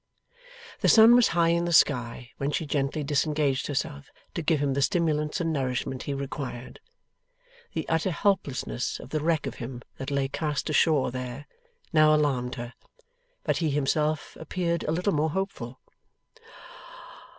The sun was high in the sky, when she gently disengaged herself to give him the stimulants and nourishment he required. The utter helplessness of the wreck of him that lay cast ashore there, now alarmed her, but he himself appeared a little more hopeful.